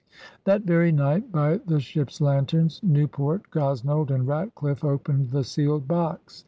That very night, by the ships' lanterns, Newport, Gosnold, and Ratdiffe opened the sealed box.